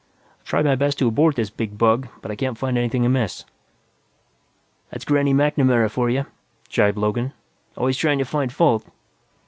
"I've tried my best to abort this big bug, but I can't find anything amiss." "That's Granny MacNamara for you," jibed Logan. "Always trying to find fault."